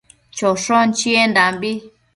choshon chiendambi